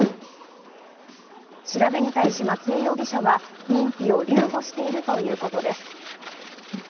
調べに対し松江容疑者は認否を留保しているということです。